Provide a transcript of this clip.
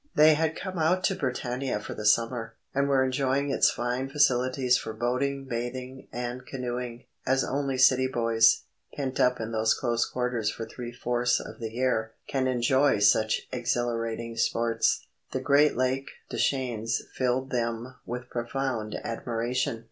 They had come out to Britannia for the summer, and were enjoying its fine facilities for boating, bathing, and canoeing as only city boys, pent up in close quarters for three fourths of the year, can enjoy such exhilarating sports. The great Lake Deschenes filled them with profound admiration.